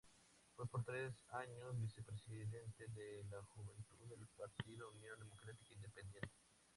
Fue por tres años vicepresidente de la Juventud del Partido Unión Demócrata Independiente.